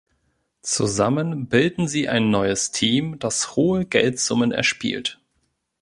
Zusammen bilden sie ein neues Team, das hohe Geldsummen erspielt.